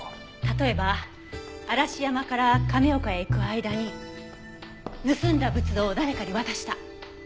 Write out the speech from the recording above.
例えば嵐山から亀岡へ行く間に盗んだ仏像を誰かに渡した。